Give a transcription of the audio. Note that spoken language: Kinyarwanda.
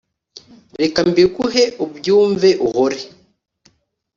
Reka mbiguhe ubyumve uhore